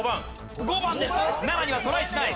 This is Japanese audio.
７にはトライしない。